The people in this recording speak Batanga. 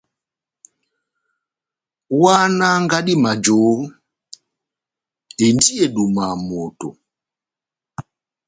Ohahánaha ngadi majohó, endi edúmaha moto !